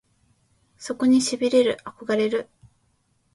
そこに痺れる憧れる